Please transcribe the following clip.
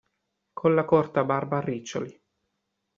Con la corta barba a riccioli.